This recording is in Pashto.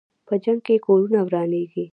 په جنګ کې کورونه ورانېږي.